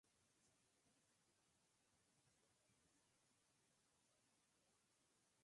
El cuello ha de ser arqueado y de inserción alta.